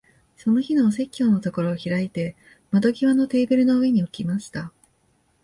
その日のお説教のところを開いて、窓際のテーブルの上に置きました。